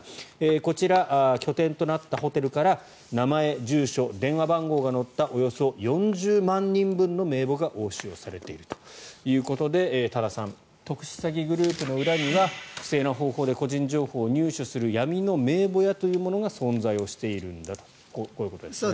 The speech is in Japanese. こちら、拠点となったホテルから名前、住所、電話番号が載ったおよそ４０万人分の名簿が押収されているということで多田さん特殊詐欺グループの裏には不正な方法で個人情報を入手する闇の名簿屋というものが存在をしているんだとこういうことですね。